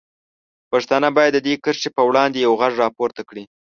پښتانه باید د دې کرښې په وړاندې یوغږ راپورته کړي.